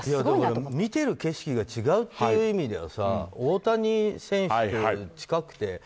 だから、見ている景色が違うという意味では大谷選手に近くて。